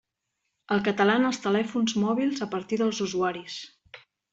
El català en els telèfons mòbils a partir dels usuaris.